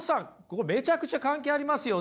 ここめちゃくちゃ関係ありますよ！